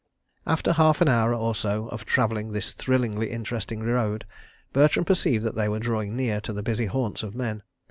... After half an hour or so of travelling this thrillingly interesting road, Bertram perceived that they were drawing near to the busy haunts of men.